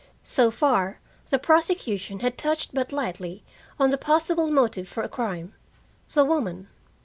So far, the prosecution had touched but lightly on the possible motive for a crime the woman.